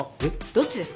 どっちですか？